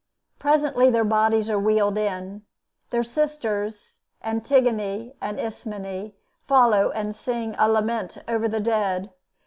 Presently their bodies are wheeled in. Their sisters, Antigone and Ismene, follow and sing a lament over the dead.